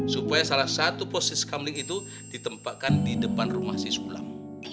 supaya salah satu posisi kamling itu ditempatkan di depan rumah si sulam